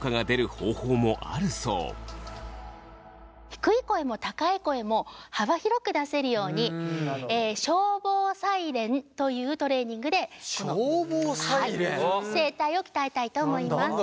低い声も高い声も幅広く出せるように消防サイレンというトレーニングで声帯を鍛えたいと思います。